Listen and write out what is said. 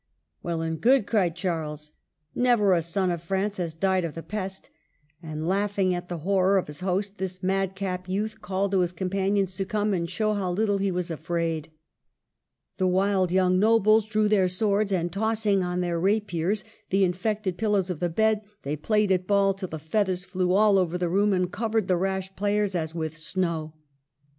*^ Well and good !" cried Charles. '' Never a son of France has died of the pest !" And, laughing at the horror of his host, the madcap youth called to his compan ions to come and show how little he was afraid. The wild young nobles drew their swords, and, tossing on their^ rapiers the infected pillows of the bed, they played at ball till the feathers flew all over the room and covered the rash players as with snow.